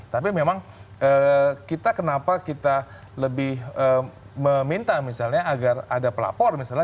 tapi memang kita kenapa kita lebih meminta misalnya agar ada pelapor misalnya